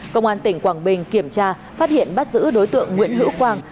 công an tỉnh quảng bình kiểm tra phát hiện bắt giữ đối tượng nguyễn hữu quang